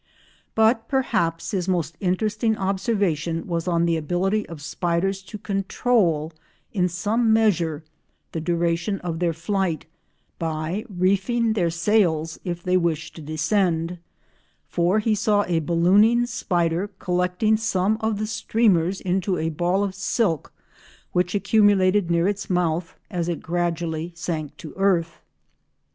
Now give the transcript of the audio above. But perhaps his most interesting observation was on the ability of spiders to control in some measure the duration of their flight by reefing their sails if they wish to descend, for he saw a ballooning spider collecting some of the streamers into a ball of silk which accumulated near its mouth as it gradually sank to earth.